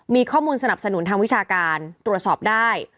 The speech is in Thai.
มีข้อมูลสนับสนุนทางวิชาการตรวจสอบได้